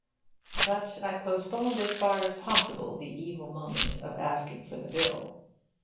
But I postponed as far as possible the evil moment of asking for the bill.